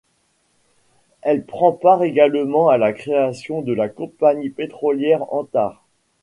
Elle prend part également à la création de la compagnie pétrolière Antar.